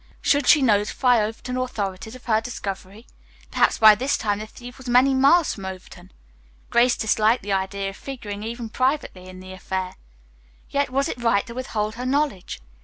Should she notify the Overton authorities of her discovery? Perhaps by this time the thief was many miles from Overton. Grace disliked the idea of figuring even privately in the affair. Yet was it right to withhold her knowledge?